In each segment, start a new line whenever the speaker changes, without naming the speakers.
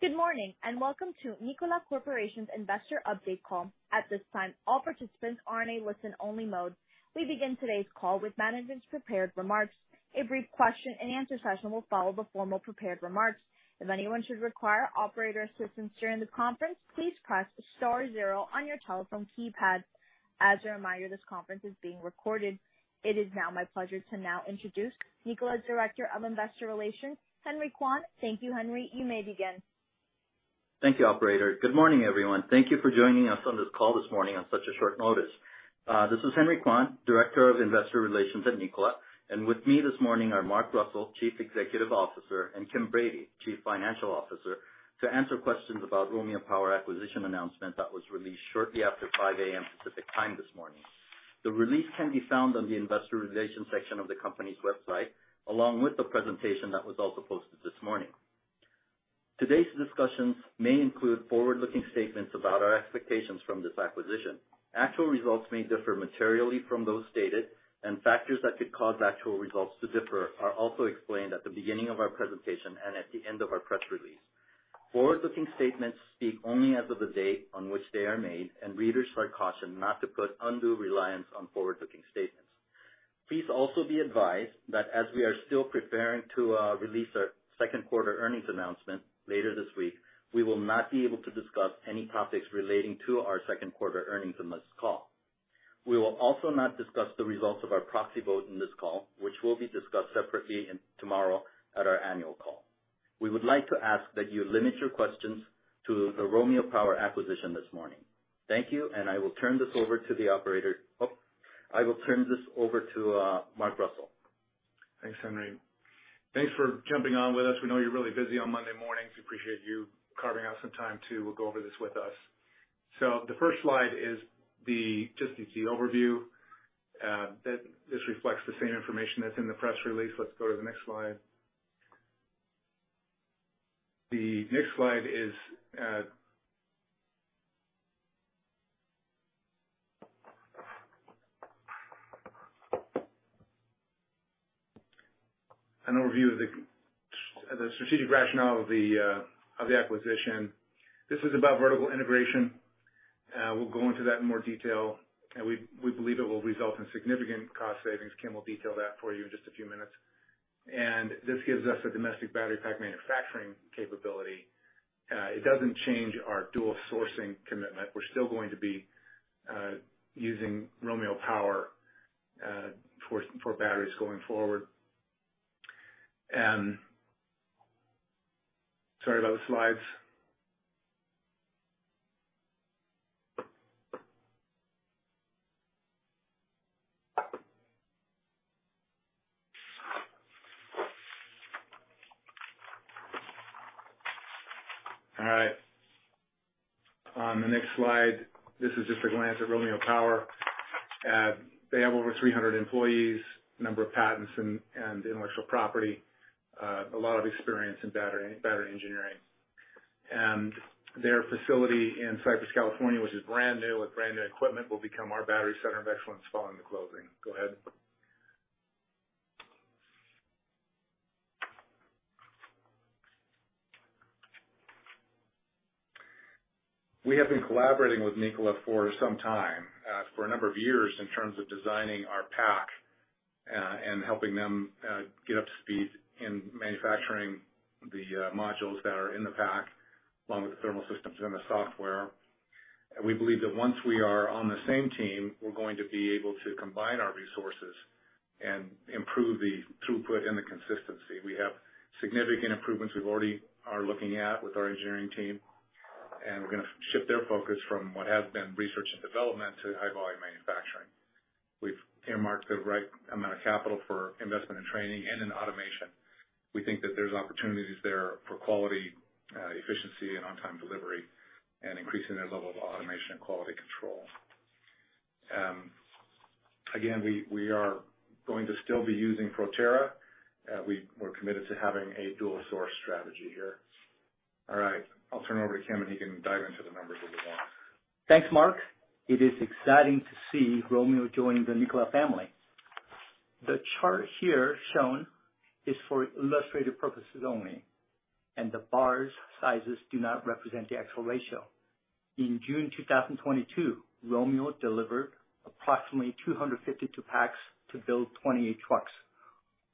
Good morning, and welcome to Nikola Corporation's Investor Update Call. At this time, all participants are in a listen-only mode. We begin today's call with management's prepared remarks. A brief question and answer session will follow the formal prepared remarks. If anyone should require operator assistance during the conference, please press star zero on your telephone keypad. As a reminder, this conference is being recorded. It is now my pleasure to introduce Nikola's Director of Investor Relations, Henry Kwon. Thank you, Henry. You may begin.
Thank you, operator. Good morning, everyone. Thank you for joining us on this call this morning on such a short notice. This is Henry Kwon, Director of Investor Relations at Nikola. With me this morning are Mark Russell, Chief Executive Officer, and Kim Brady, Chief Financial Officer, to answer questions about Romeo Power acquisition announcement that was released shortly after 5 A.M. Pacific Time this morning. The release can be found on the investor relations section of the company's website, along with the presentation that was also posted this morning. Today's discussions may include forward-looking statements about our expectations from this acquisition. Actual results may differ materially from those stated, and factors that could cause actual results to differ are also explained at the beginning of our presentation and at the end of our press release. Forward-looking statements speak only as of the date on which they are made, and readers are cautioned not to put undue reliance on forward-looking statements. Please also be advised that as we are still preparing to release our Q2 earnings announcement later this week, we will not be able to discuss any topics relating to our Q2 earnings in this call. We will also not discuss the results of our proxy vote in this call, which will be discussed separately in tomorrow at our annual call. We would like to ask that you limit your questions to the Romeo Power acquisition this morning. Thank you, and I will turn this over to Mark Russell.
Thanks, Henry. Thanks for jumping on with us. We know you're really busy on Monday mornings. We appreciate you carving out some time to go over this with us. The first slide is just the overview that this reflects the same information that's in the press release. Let's go to the next slide. The next slide is an overview of the strategic rationale of the acquisition. This is about vertical integration. We'll go into that in more detail. We believe it will result in significant cost savings. Kim will detail that for you in just a few minutes. This gives us a domestic battery pack manufacturing capability. It doesn't change our dual sourcing commitment. We're still going to be using Romeo Power for batteries going forward. Sorry about the slides. All right. On the next slide, this is just a glance at Romeo Power. They have over 300 employees, number of patents and intellectual property. A lot of experience in battery engineering. Their facility in Cypress, California, which is brand new with brand-new equipment, will become our battery center of excellence following the closing. Go ahead. We have been collaborating with Nikola for some time, for a number of years in terms of designing our pack and helping them get up to speed in manufacturing the modules that are in the pack along with the thermal systems and the software. We believe that once we are on the same team, we're going to be able to combine our resources and improve the throughput and the consistency. We have significant improvements we're already looking at with our engineering team, and we're gonna shift their focus from what has been research and development to high-volume manufacturing. We've earmarked the right amount of capital for investment in training and in automation. We think that there's opportunities there for quality, efficiency, and on-time delivery, and increasing their level of automation and quality control. Again, we are going to still be using Proterra. We're committed to having a dual-source strategy here. All right, I'll turn it over to Kim, and he can dive into the numbers if you want.
Thanks, Mark. It is exciting to see Romeo joining the Nikola family. The chart here shown is for illustrative purposes only, and the bar sizes do not represent the actual ratio. In June 2022, Romeo delivered approximately 252 packs to build 28 trucks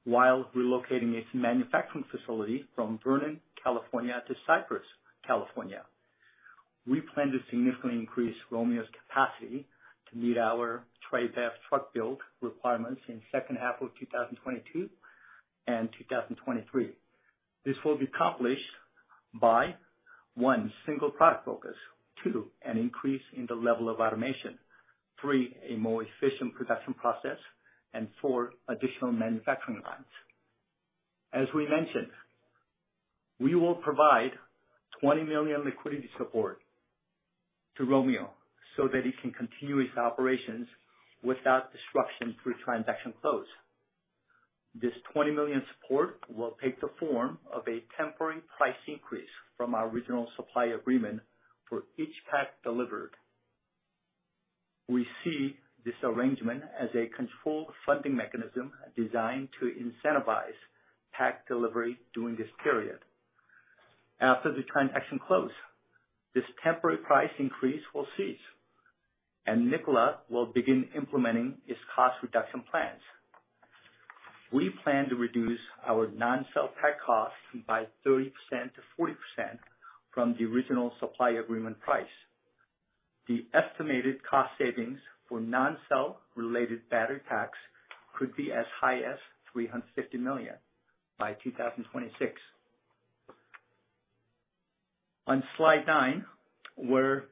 while relocating its manufacturing facility from Vernon, California to Cypress, California. We plan to significantly increase Romeo's capacity to meet our trade path truck build requirements in second half of 2022 and 2023. This will be accomplished by one, single product focus, two, an increase in the level of automation, three, a more efficient production process, and four, additional manufacturing lines. As we mentioned, we will provide $20 million liquidity support to Romeo so that it can continue its operations without disruption through transaction close. This $20 million support will take the form of a temporary price increase from our original supply agreement for each pack delivered. We see this arrangement as a controlled funding mechanism designed to incentivize pack delivery during this period. After the transaction close, this temporary price increase will cease and Nikola will begin implementing its cost reduction plans. We plan to reduce our non-cell pack costs by 30%-40% from the original supply agreement price. The estimated cost savings for non-cell related battery packs could be as high as $350 million by 2026. On slide nine, where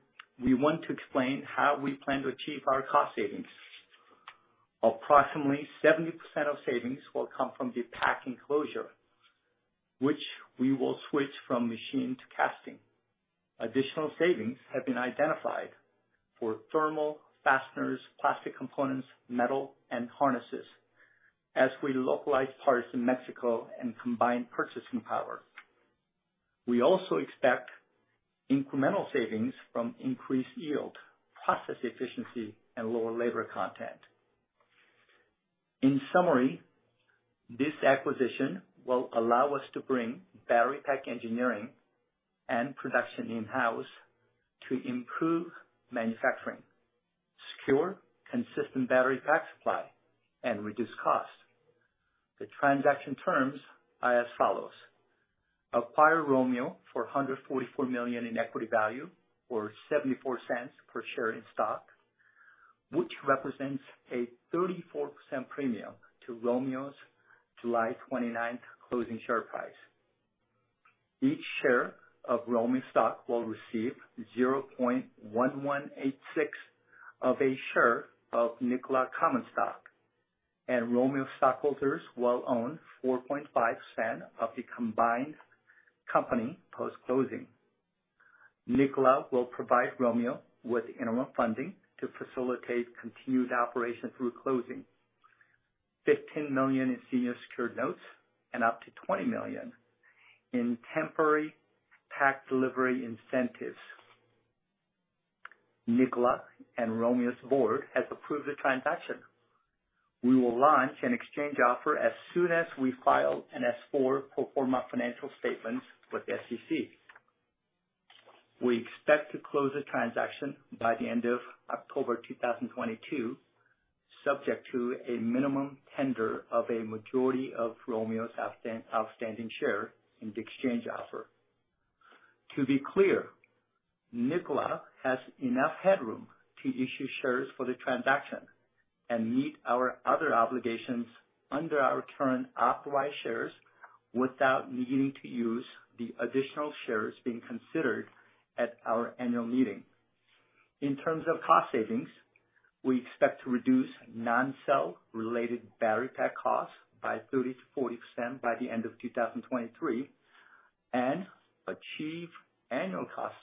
we want to explain how we plan to achieve our cost savings. Approximately 70% of savings will come from the pack enclosure, which we will switch from machine to casting. Additional savings have been identified for thermal fasteners, plastic components, metal and harnesses as we localize parts in Mexico and combine purchasing power. We also expect incremental savings from increased yield, process efficiency and lower labor content. In summary, this acquisition will allow us to bring battery pack engineering and production in-house to improve manufacturing, secure consistent battery pack supply and reduce cost. The transaction terms are as follows. Acquire Romeo for $144 million in equity value or $0.74 per share in stock, which represents a 34% premium to Romeo's July 29th closing share price. Each share of Romeo stock will receive 0.1186 of a share of Nikola common stock, and Romeo stockholders will own 4.5% of the combined company post-closing. Nikola will provide Romeo with interim funding to facilitate continued operation through closing, $15 million in senior secured notes and up to $20 million in temporary pack delivery incentives. Nikola and Romeo's board has approved the transaction. We will launch an exchange offer as soon as we file an S-4 pro forma financial statements with the SEC. We expect to close the transaction by the end of October 2022, subject to a minimum tender of a majority of Romeo's outstanding shares in the exchange offer. To be clear, Nikola has enough headroom to issue shares for the transaction and meet our other obligations under our current authorized shares without needing to use the additional shares being considered at our annual meeting. In terms of cost savings, we expect to reduce non-cell related battery pack costs by 30%-40% by the end of 2023 and achieve annual cost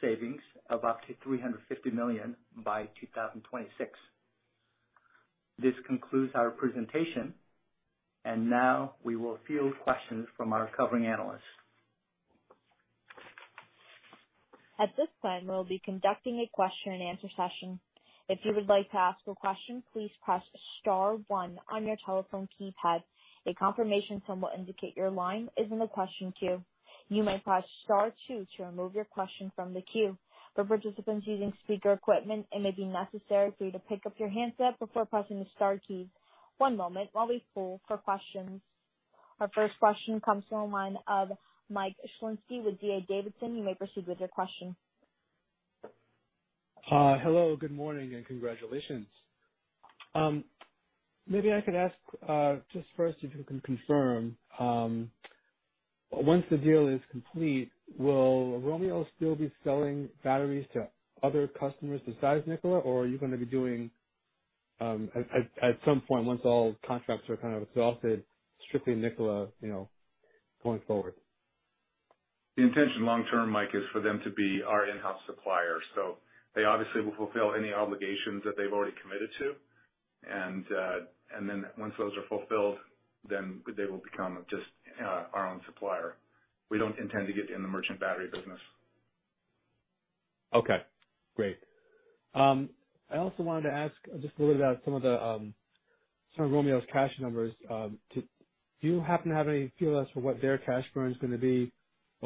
savings of up to $350 million by 2026. This concludes our presentation and now we will field questions from our covering analysts.
At this time, we'll be conducting a question and answer session. If you would like to ask a question, please press star one on your telephone keypad. A confirmation tone will indicate your line is in the question queue. You may press star two to remove your question from the queue. For participants using speaker equipment, it may be necessary for you to pick up your handset before pressing the star key. One moment while we poll for questions. Our first question comes from the line of Michael Shlisky with D.A. Davidson & Co. You may proceed with your question.
Hello, good morning and congratulations. Maybe I could ask, just first if you can confirm, once the deal is complete, will Romeo still be selling batteries to other customers besides Nikola? Or are you gonna be doing, at some point, once all contracts are kind of exhausted, strictly Nikola, you know, going forward?
The intention long term, Mike, is for them to be our in-house supplier. They obviously will fulfill any obligations that they've already committed to. Then once those are fulfilled, they will become just our own supplier. We don't intend to get in the merchant battery business.
Okay, great. I also wanted to ask just a little about some of Romeo's cash numbers. Do you happen to have any feel for what their cash burn is gonna be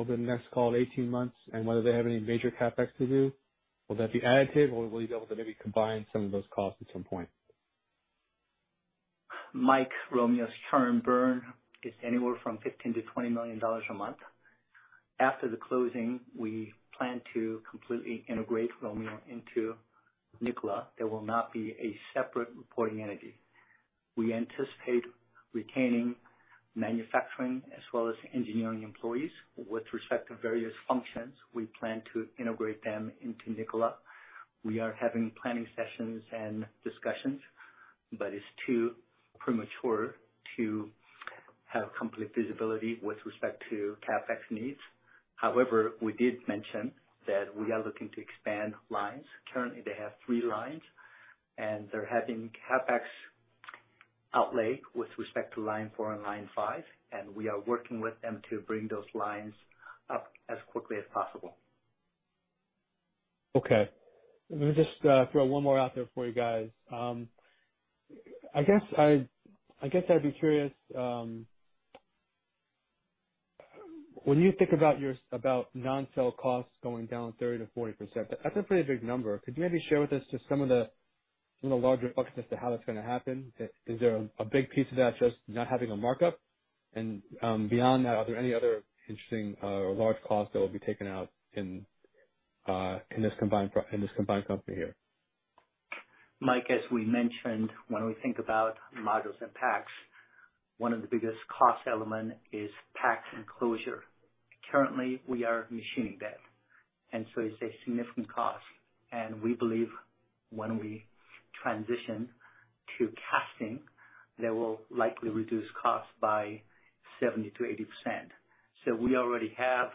over the next, call it 18 months, and whether they have any major CapEx to do? Will that be additive or will you be able to maybe combine some of those costs at some point?
Mike, Romeo's current burn is anywhere from $15 million-$20 million a month. After the closing, we plan to completely integrate Romeo into Nikola. There will not be a separate reporting entity. We anticipate retaining manufacturing as well as engineering employees. With respect to various functions, we plan to integrate them into Nikola. We are having planning sessions and discussions, but it's too premature to have complete visibility with respect to CapEx needs. However, we did mention that we are looking to expand lines. Currently, they have three lines and they're having CapEx outlay with respect to line four and line five, and we are working with them to bring those lines up as quickly as possible.
Okay. Let me just throw one more out there for you guys. I guess I'd be curious when you think about your, about non-sell costs going down 30%-40%. That's a pretty big number. Could you maybe share with us just some of the, you know, larger buckets as to how that's gonna happen? Is there a big piece of that just not having a markup? Beyond that, are there any other interesting large costs that will be taken out in this combined company here?
Mike, as we mentioned, when we think about modules and packs, one of the biggest cost element is pack enclosure. Currently, we are machining that, and so it's a significant cost. We believe when we transition to casting, that will likely reduce costs by 70%-80%. We already have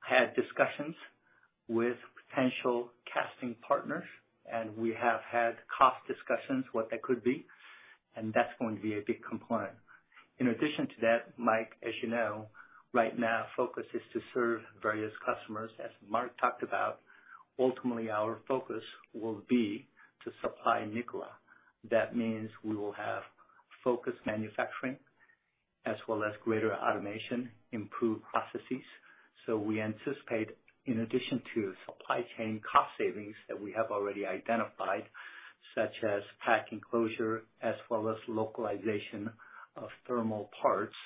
had discussions with potential casting partners, and we have had cost discussions, what that could be, and that's going to be a big component. In addition to that, Mike, as you know, right now, focus is to serve various customers, as Mark talked about. Ultimately, our focus will be to supply Nikola. That means we will have focused manufacturing as well as greater automation, improved processes. We anticipate, in addition to supply chain cost savings that we have already identified, such as pack enclosure as well as localization of thermal parts,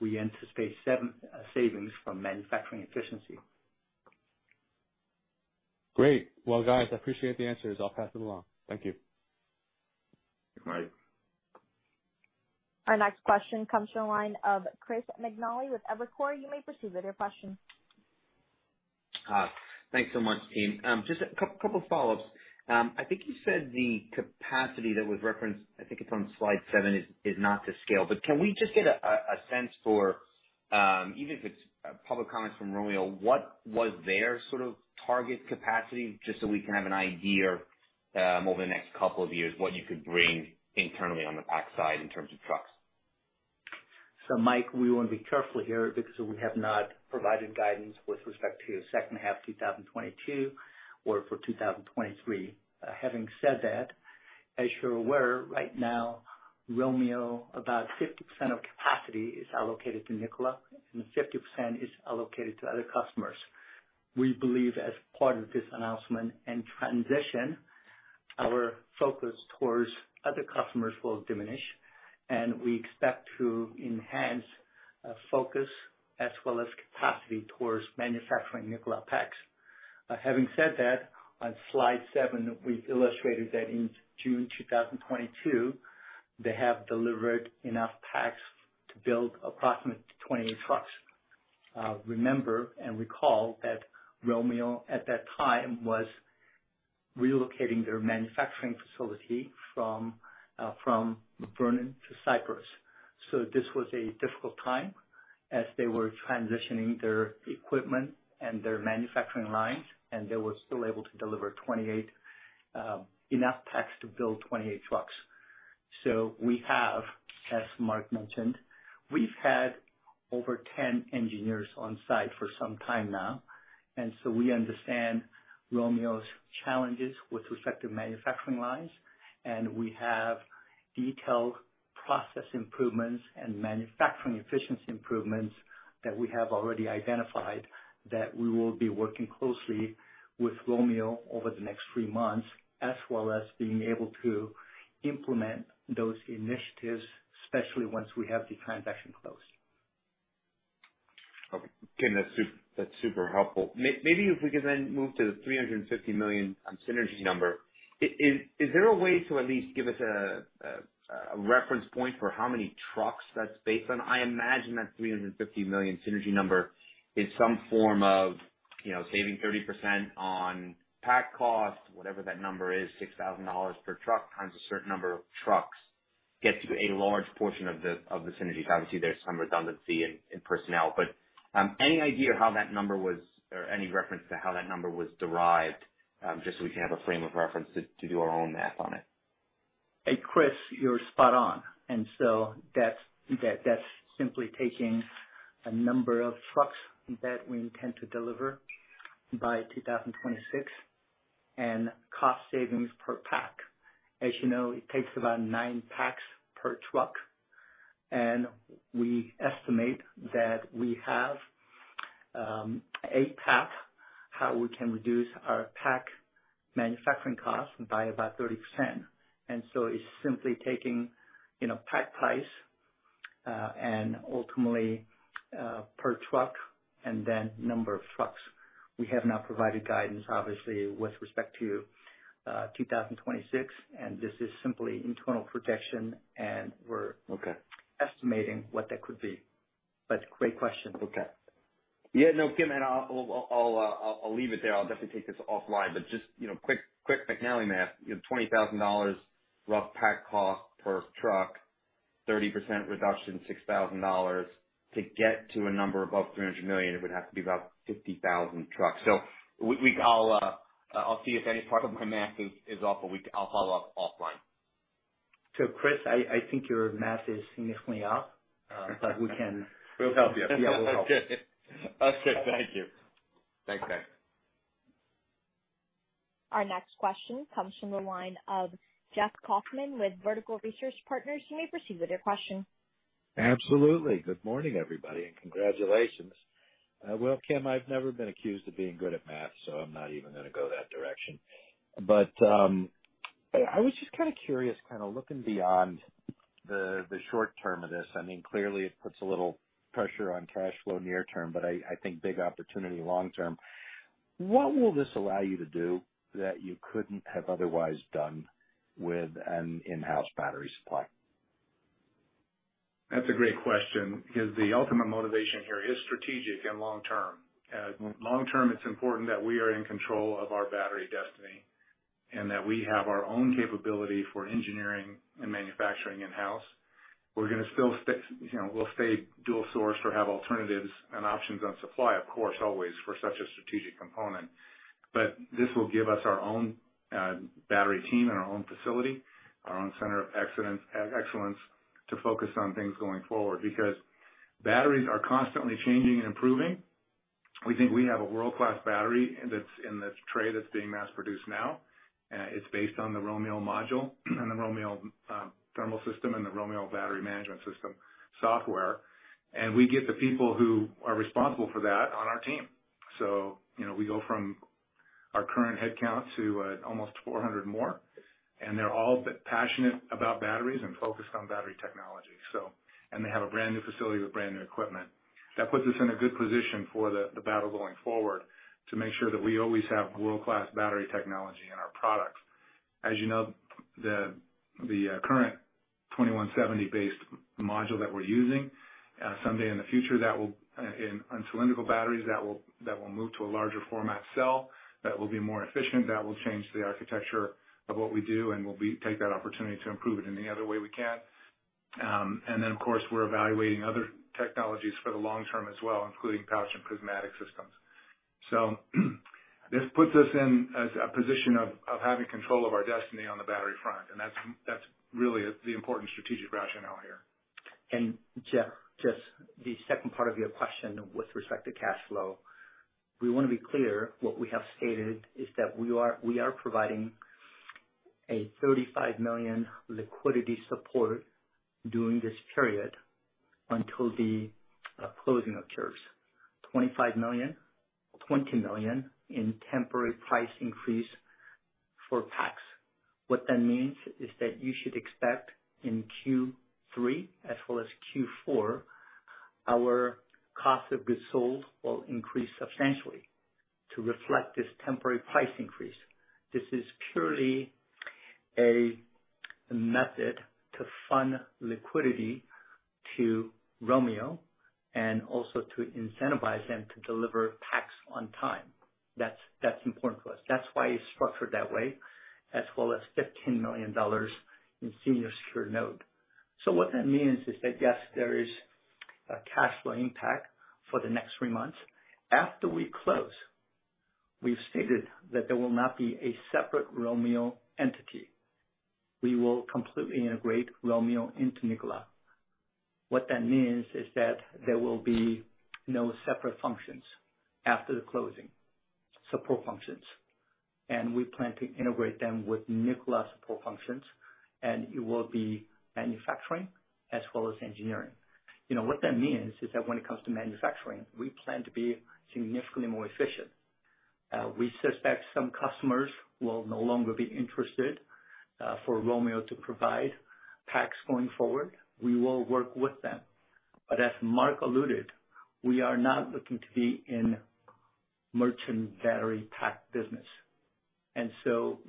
we anticipate savings from manufacturing efficiency.
Great. Well, guys, I appreciate the answers. I'll pass it along. Thank you.
Thanks, Mike.
Our next question comes from the line of Chris McNally with Evercore. You may proceed with your question.
Thanks so much, team. Just a couple of follow-ups. I think you said the capacity that was referenced, I think it's on slide seven, is not to scale. Can we just get a sense for, even if it's public comments from Romeo Power, what was their sort of target capacity, just so we can have an idea over the next couple of years, what you could bring internally on the pack side in terms of trucks?
Mike, we wanna be careful here because we have not provided guidance with respect to second half 2022 or for 2023. Having said that, as you're aware, right now, Romeo, about 50% of capacity is allocated to Nikola and 50% is allocated to other customers. We believe as part of this announcement and transition, our focus towards other customers will diminish and we expect to enhance our focus as well as capacity towards manufacturing Nikola packs. Having said that, on slide seven, we've illustrated that in June 2022, they have delivered enough packs to build approximately 28 trucks. Remember and recall that Romeo at that time was relocating their manufacturing facility from Vernon to Cypress. This was a difficult time as they were transitioning their equipment and their manufacturing lines, and they were still able to deliver 28, enough packs to build 28 trucks. We have, as Mark mentioned, we've had over 10 engineers on site for some time now, and we understand Romeo's challenges with respect to manufacturing lines, and we have detailed process improvements and manufacturing efficiency improvements that we have already identified that we will be working closely with Romeo over the next three months, as well as being able to implement those initiatives, especially once we have the transaction closed.
Okay. Kim, that's super helpful. Maybe if we could then move to the $350 million synergy number. Is there a way to at least give us a reference point for how many trucks that's based on? I imagine that $350 million synergy number is some form of, you know, saving 30% on pack cost, whatever that number is, $6,000 per truck times a certain number of trucks gets you a large portion of the synergies. Obviously, there's some redundancy in personnel, but any idea how that number was or any reference to how that number was derived? Just so we can have a frame of reference to do our own math on it.
Hey, Chris, you're spot on. That's simply taking a number of trucks that we intend to deliver by 2026 and cost savings per pack. As you know, it takes about nine packs per truck, and we estimate that we have a path how we can reduce our pack manufacturing cost by about 30%. It's simply taking, you know, pack price and ultimately per truck and then number of trucks. We have not provided guidance, obviously, with respect to 2026, and this is simply internal projection and we're
Okay.
estimating what that could be. Great question, okay.
Yeah, no, Kim. I'll leave it there. I'll definitely take this offline, but just, you know, quick McNally math. You have $20,000 rough pack cost per truck. 30% reduction, $6,000. To get to a number above $300 million, it would have to be about 50,000 trucks. We'll see if any part of my math is off, but we can follow up offline.
Chris, I think your math is significantly off, but we can-
We'll help you.
Yeah, we'll help.
Okay. Thank you. Thanks, guys.
Our next question comes from the line of Jeff Kauffman with Vertical Research Partners. You may proceed with your question.
Absolutely. Good morning, everybody, and congratulations. Well, Kim, I've never been accused of being good at math, so I'm not even gonna go that direction. I was just kinda curious, kinda looking beyond the short term of this. I mean, clearly it puts a little pressure on cash flow near term, but I think big opportunity long term. What will this allow you to do that you couldn't have otherwise done with an in-house battery supply?
That's a great question because the ultimate motivation here is strategic and long term. Long term, it's important that we are in control of our battery destiny and that we have our own capability for engineering and manufacturing in-house. You know, we'll stay dual source or have alternatives and options on supply, of course always, for such a strategic component. This will give us our own battery team and our own facility, our own center of excellence to focus on things going forward. Because batteries are constantly changing and improving. We think we have a world-class battery that's in this tray that's being mass-produced now. It's based on the Romeo module and the Romeo thermal system and the Romeo battery management system software. We get the people who are responsible for that on our team. You know, we go from our current headcount to almost 400 more, and they're all passionate about batteries and focused on battery technology. They have a brand-new facility with brand-new equipment. That puts us in a good position for the battle going forward, to make sure that we always have world-class battery technology in our products. As you know, the current 2170-based module that we're using, someday in the future that will innovate on cylindrical batteries, that will move to a larger format cell that will be more efficient, that will change the architecture of what we do, and we'll take that opportunity to improve it any other way we can. Then, of course, we're evaluating other technologies for the long term as well, including pouch and prismatic systems. This puts us in a position of having control of our destiny on the battery front, and that's really the important strategic rationale here.
Jeff, just the second part of your question with respect to cash flow. We wanna be clear, what we have stated is that we are providing a $35 million liquidity support during this period until the closing occurs. $25 million, $20 million in temporary price increase for packs. What that means is that you should expect in Q3 as well as Q4, our cost of goods sold will increase substantially to reflect this temporary price increase. This is purely a method to fund liquidity to Romeo and also to incentivize them to deliver packs on time. That's important for us. That's why it's structured that way, as well as $15 million in senior secured note. What that means is that, yes, there is a cash flow impact for the next three months. After we close, we've stated that there will not be a separate Romeo entity. We will completely integrate Romeo into Nikola. What that means is that there will be no separate functions after the closing, support functions. We plan to integrate them with Nikola support functions, and it will be manufacturing as well as engineering. You know, what that means is that when it comes to manufacturing, we plan to be significantly more efficient. We suspect some customers will no longer be interested, for Romeo to provide packs going forward. We will work with them. As Mark alluded, we are not looking to be in merchant battery pack business.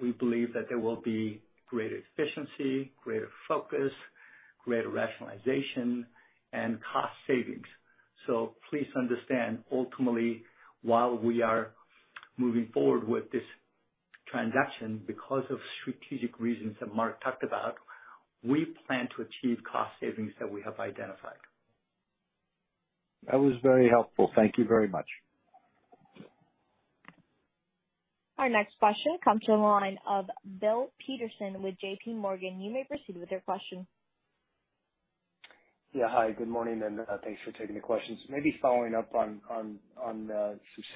We believe that there will be greater efficiency, greater focus, greater rationalization, and cost savings. Please understand, ultimately, while we are moving forward with this transaction because of strategic reasons that Mark talked about, we plan to achieve cost savings that we have identified.
That was very helpful. Thank you very much.
Our next question comes from the line of Bill Peterson with JPMorgan. You may proceed with your question.
Yeah. Hi. Good morning, and thanks for taking the questions. Maybe following up on some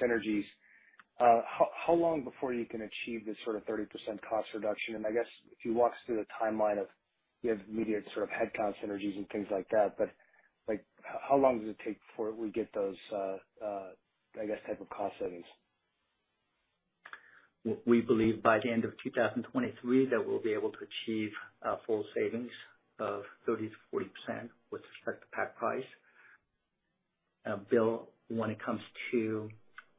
synergies. How long before you can achieve this sort of 30% cost reduction? I guess if you walk us through the timeline of, you have immediate sort of headcount synergies and things like that. Like, how long does it take before we get those, I guess, type of cost savings?
We believe by the end of 2023 that we'll be able to achieve full savings of 30%-40% with respect to pack price. Bill, when it comes to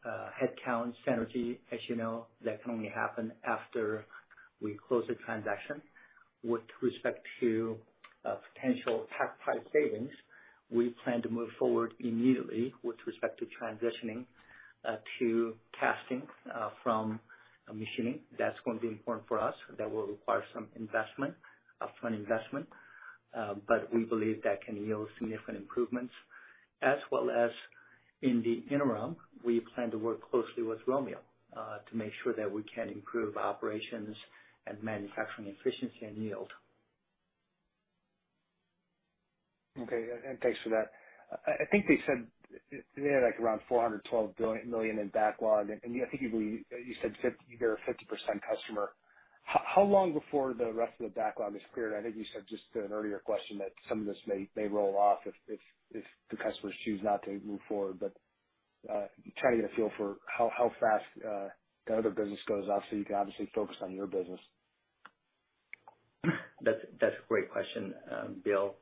headcount synergy, as you know, that can only happen after we close the transaction. With respect to potential pack price savings. We plan to move forward immediately with respect to transitioning to casting from machining. That's going to be important for us. That will require some investment, upfront investment, but we believe that can yield significant improvements. As well as in the interim, we plan to work closely with Romeo to make sure that we can improve operations and manufacturing efficiency and yield.
Okay. Thanks for that. I think they said they had, like, around $412 million in backlog, and I think you believe you're a 50% customer. How long before the rest of the backlog is cleared? I think you said just to an earlier question that some of this may roll off if the customers choose not to move forward. Trying to get a feel for how fast the other business goes off so you can obviously focus on your business.
That's a great question, Bill.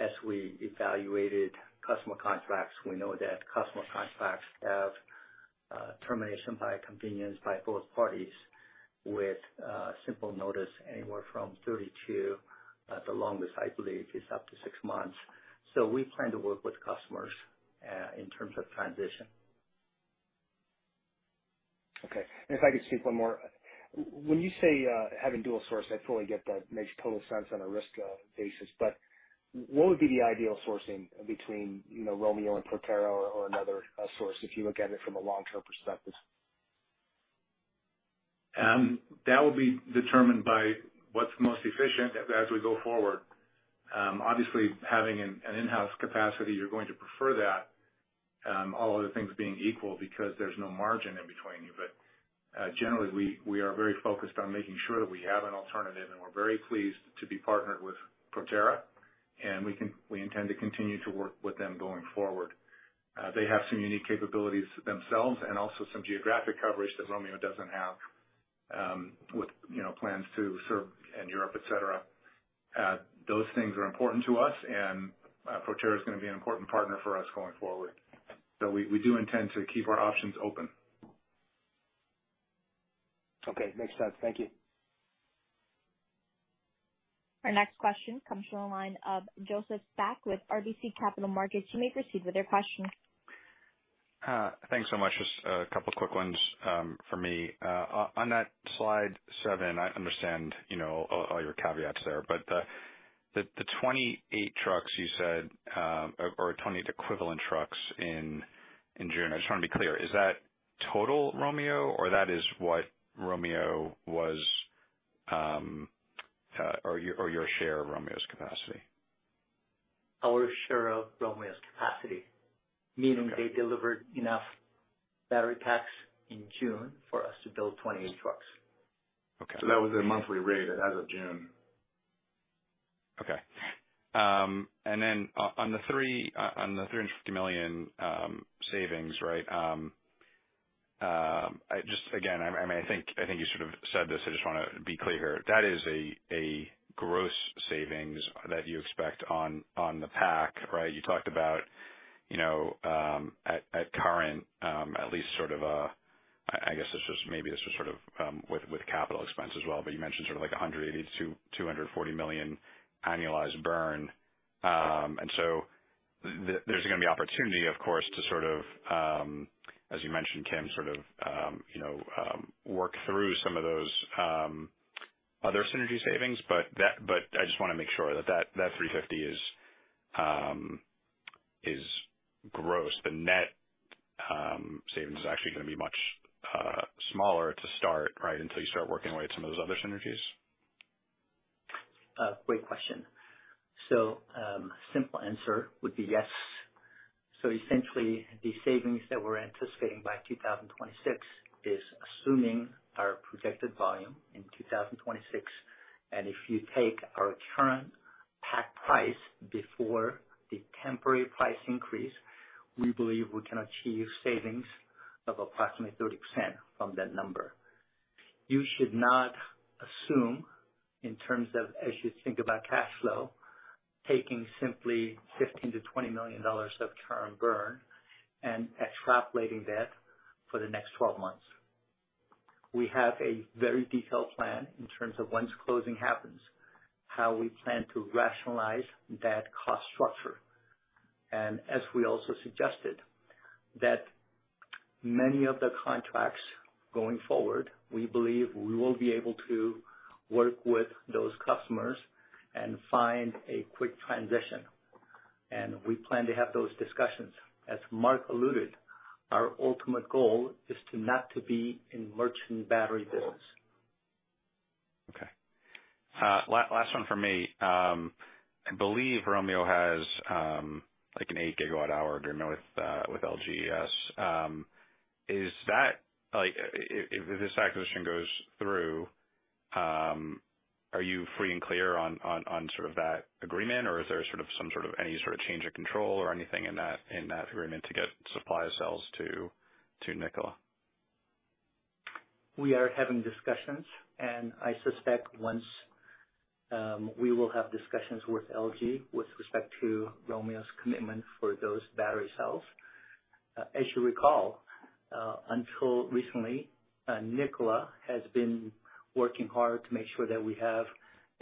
As we evaluated customer contracts, we know that customer contracts have termination by convenience by both parties with simple notice anywhere from 30 to the longest, I believe, is up to 6 months. We plan to work with customers in terms of transition.
Okay. If I could sneak one more. When you say, having dual source, I fully get that makes total sense on a risk basis. What would be the ideal sourcing between, you know, Romeo and Proterra or another source if you look at it from a long-term perspective?
That will be determined by what's most efficient as we go forward. Obviously having an in-house capacity, you're going to prefer that, all other things being equal because there's no margin in between you. Generally, we are very focused on making sure that we have an alternative, and we're very pleased to be partnered with Proterra and we intend to continue to work with them going forward. They have some unique capabilities themselves and also some geographic coverage that Romeo doesn't have, with, you know, plans to serve in Europe, et cetera. Those things are important to us and Proterra is gonna be an important partner for us going forward. We do intend to keep our options open.
Okay. Makes sense. Thank you.
Our next question comes from the line of Joseph Spak with RBC Capital Markets. You may proceed with your question.
Thanks so much. Just a couple quick ones from me. On that slide seven, I understand, you know, all your caveats there, but the 28 trucks you said or 28 equivalent trucks in June. I just wanna be clear, is that total Romeo or that is Romeo's or your share of Romeo's capacity?
Our share of Romeo's capacity.
Okay.
Meaning they delivered enough battery packs in June for us to build 28 trucks.
Okay.
That was their monthly rate as of June.
Okay. On the $350 million savings, right? I just again, I mean, I think you sort of said this, I just wanna be clear. That is a gross savings that you expect on the pack, right? You talked about, you know, at current at least sort of a. I guess this was maybe sort of with capital expense as well, but you mentioned sort of like a $180 million-$240 million annualized burn. There's gonna be opportunity of course to sort of, as you mentioned, Kim, sort of, you know, work through some of those other synergy savings, but I just wanna make sure that 350 is gross. The net savings is actually gonna be much smaller to start, right, until you start working away at some of those other synergies.
Great question. Simple answer would be yes. Essentially, the savings that we're anticipating by 2026 is assuming our projected volume in 2026, and if you take our current pack price before the temporary price increase, we believe we can achieve savings of approximately 30% from that number. You should not assume in terms of as you think about cash flow, taking simply $15 million-$20 million of term burn and extrapolating that for the next 12 months. We have a very detailed plan in terms of once closing happens, how we plan to rationalize that cost structure. As we also suggested, that many of the contracts going forward, we believe we will be able to work with those customers and find a quick transition. We plan to have those discussions. As Mark alluded, our ultimate goal is not to be in merchant battery business.
Okay. Last one from me. I believe Romeo has like an 8 GWh agreement with LGES. Is that like, if this acquisition goes through, are you free and clear on sort of that agreement? Or is there sort of some sort of any sort of change of control or anything in that agreement to get supply cells to Nikola?
We are having discussions, and I suspect once we will have discussions with LG with respect to Romeo's commitment for those battery cells. As you recall, until recently, Nikola has been working hard to make sure that we have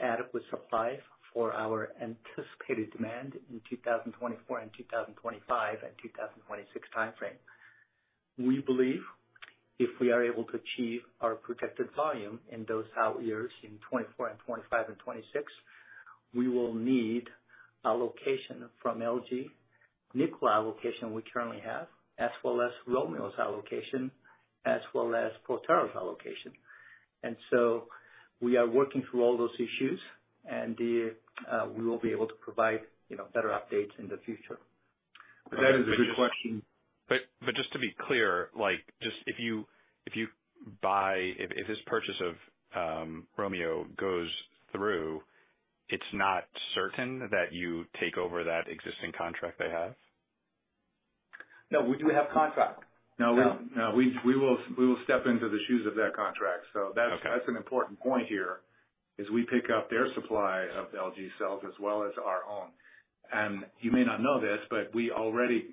adequate supply for our anticipated demand in 2024 and 2025 and 2026 timeframe. We believe if we are able to achieve our projected volume in those out years, in 2024 and 2025 and 2026, we will need allocation from LG, Nikola allocation we currently have, as well as Romeo's allocation, as well as Proterra's allocation. We are working through all those issues and then we will be able to provide, you know, better updates in the future.
That is a good question.
Just to be clear, like just if this purchase of Romeo goes through, it's not certain that you take over that existing contract they have?
No, we do have contract.
No, we will step into the shoes of that contract.
Okay.
That's an important point here, is we pick up their supply of LG cells as well as our own. You may not know this, but we already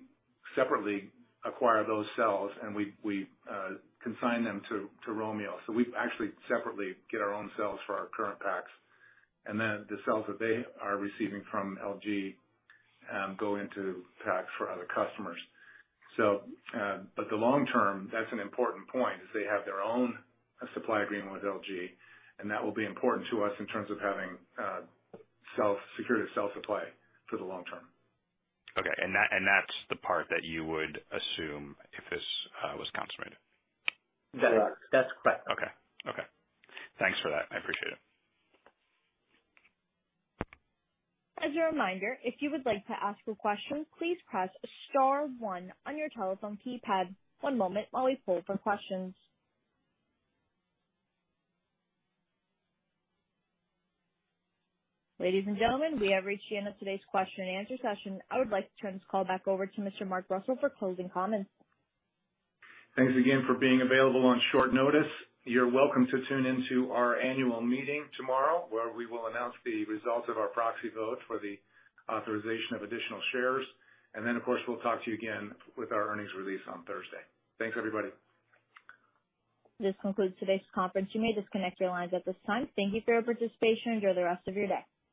separately acquire those cells and we consign them to Romeo. We actually separately get our own cells for our current packs, and then the cells that they are receiving from LG go into packs for other customers. In the long term, that's an important point is they have their own supply agreement with LG and that will be important to us in terms of having security of cell supply for the long term.
Okay. That's the part that you would assume if this was consummated?
That's correct.
Okay. Thanks for that. I appreciate it.
As a reminder, if you would like to ask a question, please press star one on your telephone keypad. One moment while we poll for questions. Ladies and gentlemen, we have reached the end of today's question and answer session. I would like to turn this call back over to Mr. Mark Russell for closing comments.
Thanks again for being available on short notice. You're welcome to tune into our annual meeting tomorrow, where we will announce the results of our proxy vote for the authorization of additional shares. Of course, we'll talk to you again with our earnings release on Thursday. Thanks, everybody.
This concludes today's conference. You may disconnect your lines at this time. Thank you for your participation. Enjoy the rest of your day.